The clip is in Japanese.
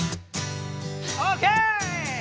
オーケー！